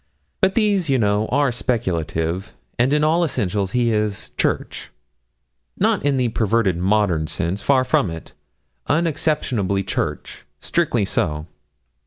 But these, you know, are speculative, and in all essentials he is Church not in the perverted modern sense; far from it unexceptionably Church, strictly so.